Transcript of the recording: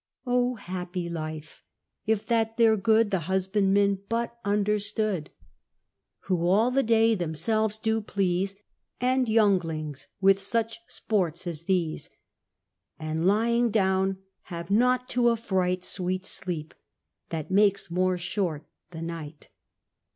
O happy life! if that their good The husbandmen but understood! Who all the day themselves do please, And younglings, with such sports as these: And lying down, have nought t' affright Sweet Sleep, that makes more short the night.